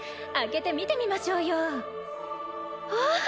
開けて見てみましょうよわあ